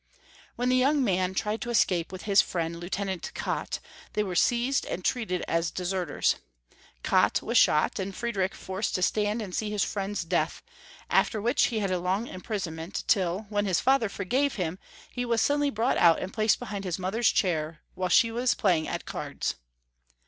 When the young man tried to escape with his friend. Lieutenant Katt, they were seized, and treated as deserters. Katt was shot, and Friedrich forced to stand and see his friend's death, after which he had a long imprison ment, till, when his father forgave him, he was sud denly brought out and placed behind his mother's chair while she was playing at cards.